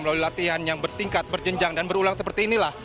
melalui latihan yang bertingkat berjenjang dan berulang seperti inilah